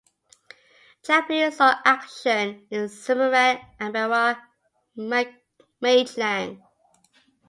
Japanese saw action in Semarang, Ambarawa, Magelang.